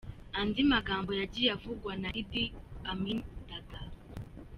Andi magambo yagiye avugwa na Idi Amin Dada.